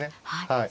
はい。